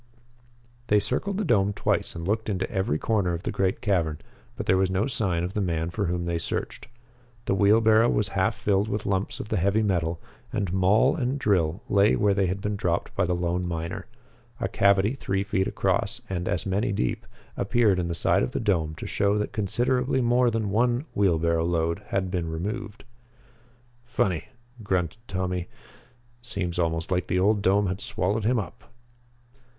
They circled the dome twice and looked into every corner of the great cavern, but there was no sign of the man for whom they searched. The wheelbarrow was half filled with lumps of the heavy metal, and maul and drill lay where they had been dropped by the lone miner. A cavity three feet across, and as many deep, appeared in the side of the dome to show that considerably more than one wheelbarrow load had been removed. "Funny," grunted Tommy. "Seems almost like the old dome had swallowed him up."